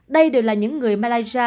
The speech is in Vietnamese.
đây đều là những người malaysia